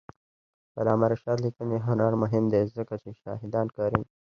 د علامه رشاد لیکنی هنر مهم دی ځکه چې شاهدان کاروي.